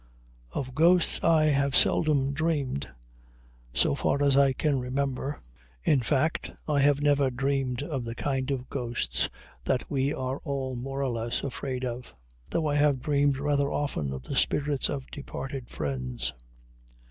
Of ghosts I have seldom dreamed, so far as I can remember; in fact, I have never dreamed of the kind of ghosts that we are all more or less afraid of, though I have dreamed rather often of the spirits of departed friends.